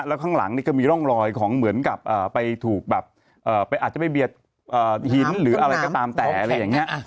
แล้วข้างหลังนี่ก็มีร่องรอยของเหมือนกับไปถูกแบบอาจจะไปเบียดหินหรืออะไรก็ตามแต่อะไรอย่างนี้